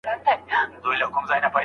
هغوی د خلکو پېغورونه نه سي زغملای.